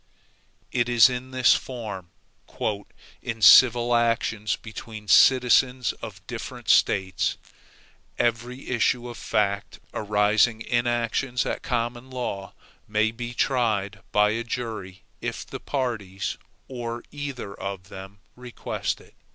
It is in this form: "In civil actions between citizens of different States, every issue of fact, arising in actions at common law, may be tried by a jury if the parties, or either of them request it."